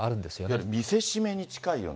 いわゆる見せしめに近いような。